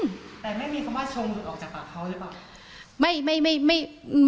แต่ไม่มีคำว่าชงออกจากปากเขาหรือเปล่า